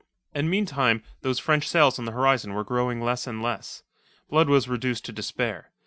And meanwhile those French sails on the horizon were growing less and less. Blood was reduced to despair.